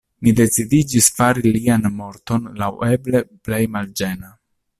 Mi decidiĝis fari lian morton laŭeble plej malĝena.